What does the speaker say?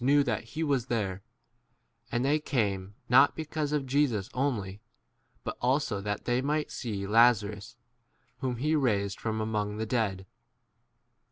knew that he was s there ; and they came, not because of Jesus only, but also that they might see Laza rus whom he raised from among 10 [the] dead.